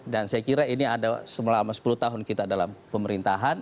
dan saya kira ini ada selama sepuluh tahun kita dalam pemerintahan